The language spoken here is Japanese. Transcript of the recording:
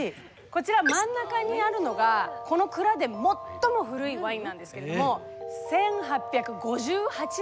こちら真ん中にあるのがこの蔵で最も古いワインなんですけれども。